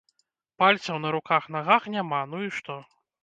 Пальцаў на руках-нагах няма, ну і што?